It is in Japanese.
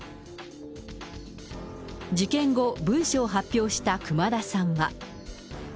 事件後、文書を発表した熊田さんは。